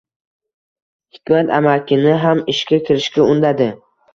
Hikmat amakini ham ishga kirishga undadi